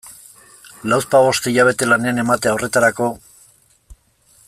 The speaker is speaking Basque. Lauzpabost hilabete lanean ematea horretarako...